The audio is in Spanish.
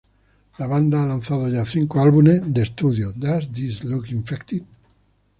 La banda ha lanzado ya cinco álbumes de estudio: "Does This Look Infected?